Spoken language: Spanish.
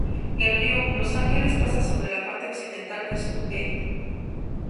El río Los Ángeles pasa sobre la parte occidental de South Gate.